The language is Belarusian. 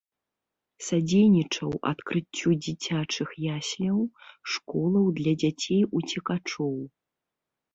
Садзейнічаў адкрыццю дзіцячых ясляў, школаў для дзяцей уцекачоў.